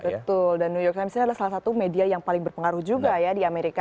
betul dan new york times ini adalah salah satu media yang paling berpengaruh juga ya di amerika